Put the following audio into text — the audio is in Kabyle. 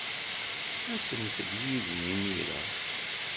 Asemt-d yid-i imir-a.